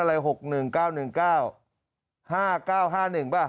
ใช่ค่ะ